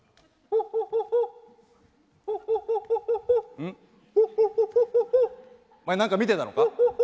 お前何か見てたのか？